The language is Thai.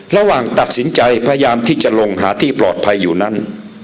ระหว่างตัดสินใจพยายามที่จะลงหาที่ปลอดภัยอยู่นั้น